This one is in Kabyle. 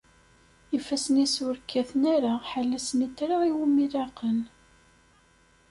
Ifassen-is ur kkaten ara ḥala snitra iwumi laqen.